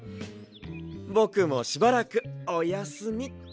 ぼくもしばらくおやすみっと。